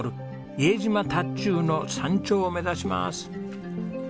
伊江島タッチューの山頂を目指します。